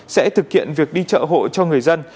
sẽ thực hiện việc đi chợ hộ cho người dân